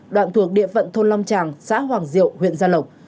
đoạn thuộc địa phận thôn long tràng xã hoàng diệu huyện gia lộc